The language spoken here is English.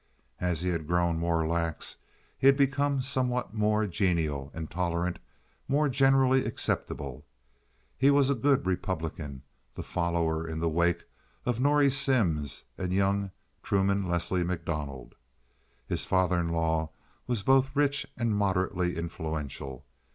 As he had grown more lax he had become somewhat more genial and tolerant, more generally acceptable. He was a good Republican, a follower in the wake of Norrie Simms and young Truman Leslie MacDonald. His father in law was both rich and moderately influential.